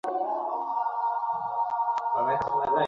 আমার মাথায় গন্ডগোল আছে শুনে রিকশাওয়ালা মামার মুখ ফ্যাকাশে হয়ে গেল।